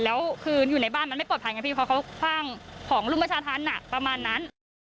แล้วคืออยู่ในบ้านมันไม่ปลอดภัยไงพี่เพราะเขาคว่างของรุมประชาธรรมประมาณนั้น